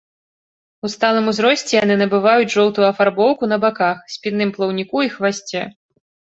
У сталым узросце яны набываюць жоўтую афарбоўку на баках, спінным плаўніку і хвасце.